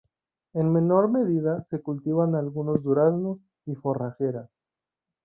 En menor medida, se cultivan algunos duraznos y forrajeras.